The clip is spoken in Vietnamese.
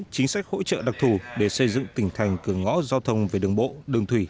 chính sách hỗ trợ đặc thù để xây dựng tỉnh thành cửa ngõ giao thông về đường bộ đường thủy